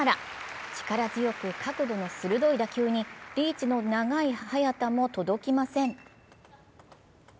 力強く角度の鋭い打球にリーチの長い早田も届きません。